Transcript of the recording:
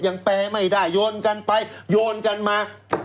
แปลไม่ได้โยนกันไปโยนกันมา